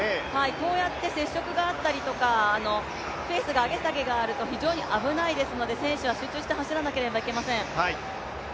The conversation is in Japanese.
こうやって接触があったりとかペースの上げ下げがあると非常に危ないですので選手は集中して走らなければなりません。